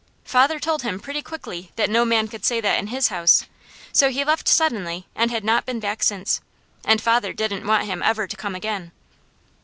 Father told him pretty quickly that no man could say that in his house; so he left suddenly and had not been back since, and father didn't want him ever to come again.